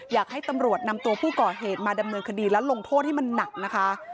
อยากให้ตำรวจนำตัวผู้ก่อเหตุมาดำเนินคดีและลงโทษให้มันหนักนะคะ